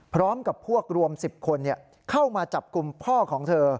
พร้อมกับพวกรวม๑๐คนเข้ามาจับกลุ่มพ่อของเธอ